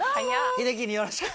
英樹によろしく。